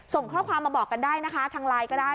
ส่งข้อความมาบอกกันได้นะคะทางไลน์ก็ได้